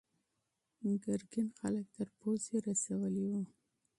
ګرګین خلک تر پوزې پورې رسولي وو.